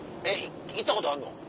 行ったことあんの？